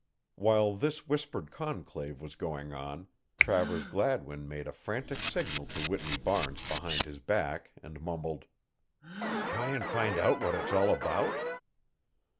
While this whispered conclave was going on Travers Gladwin made a frantic signal to Whitney Barnes behind his back and mumbled: "Try and find out what it's all about?"